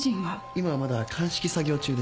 今はまだ鑑識作業中です。